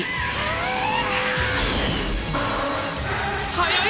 速い！